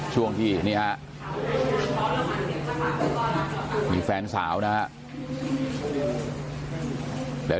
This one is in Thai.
ช่วงที่นี่ฮะมีแฟนสาวนะครับ